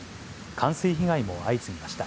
冠水被害も相次ぎました。